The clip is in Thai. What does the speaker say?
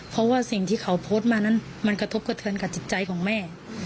เพราะว่าสิ่งที่เขาโพสต์มานั้นมันกระทบกระเทือนกับจิตใจของแม่